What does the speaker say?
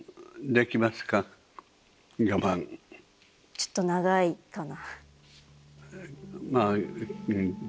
ちょっと長いかな。